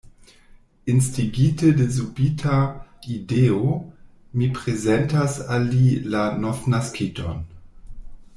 Instigite de subita ideo, mi prezentas al li la novnaskiton.